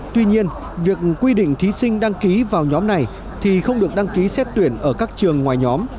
tuy nhiên việc quy định thí sinh đăng ký vào nhóm này thì không được đăng ký xét tuyển ở các trường ngoài nhóm